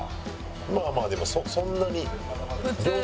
まあまあでもそんなに。